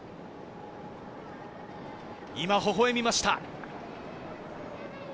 今、ほほえみました。